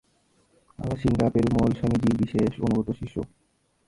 আলাসিঙ্গা, পেরুমল স্বামীজীর বিশেষ অনুগত শিষ্য।